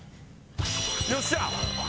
よっしゃ！